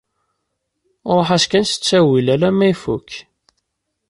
Ṛuḥ-as kan s ttawil alamma ifukk